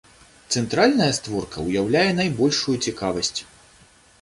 Цэнтральная створка ўяўляе найбольшую цікавасць.